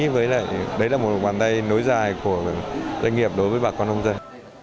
với lại đấy là một bàn tay nối dài của doanh nghiệp đối với bà con nông dân